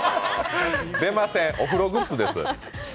出ません、お風呂グッズです。